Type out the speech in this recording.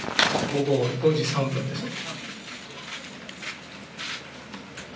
午後５時３分ですね。